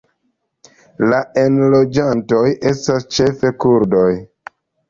La enloĝantoj estas ĉefe kurdoj.